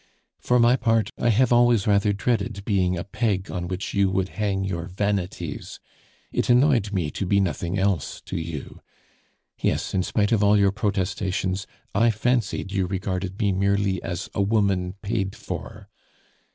For my part, I have always rather dreaded being a peg on which you would hang your vanities. It annoyed me to be nothing else to you. Yes, in spite of all your protestations, I fancied you regarded me merely as a woman paid for.